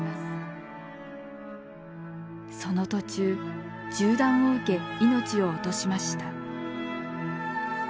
その途中銃弾を受け命を落としました。